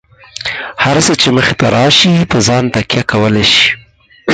هر څه چې مخې ته راشي، په ځان تکیه کولای شئ.